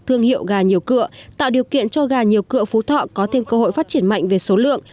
thương hiệu gà nhiều cựa tạo điều kiện cho gà nhiều cựa phú thọ có thêm cơ hội phát triển mạnh về số lượng